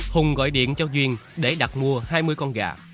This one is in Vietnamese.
hùng gọi điện cho duyên để đặt mua hai mươi con gà